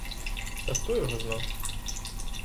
Та хто його зна.